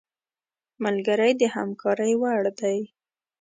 ملګری د همکارۍ وړ دی